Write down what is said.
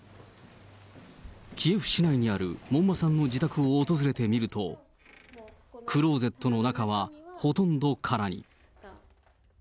キエフ市内にある門馬さんの自宅を訪れてみると、クローゼットの中はほとんど空に。